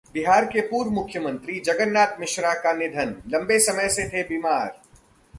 बिहार के पूर्व मुख्यमंत्री जगन्नाथ मिश्रा का निधन, लंबे समय से थे बीमार